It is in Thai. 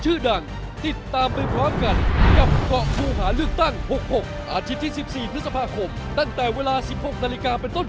อเจมส์อะผมให้พักหายใจก่อนนะนิดนึง